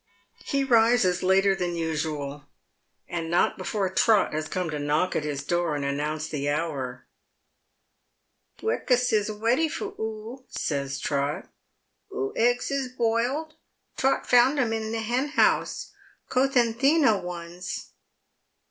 He rises later than usual, and not before Trot has come to knock at his door and announce the hour. " Bekkust is weady for oo," says Trot ;" oo eggs is boiled. Trot found 'em in the henhouse ; Cothin Tliina ones."